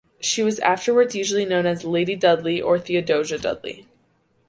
She was afterwards usually known as "Lady Dudley" or "Theodosia Dudley".